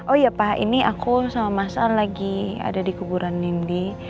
oh iya pak ini aku sama mas an lagi ada di kuburan nindi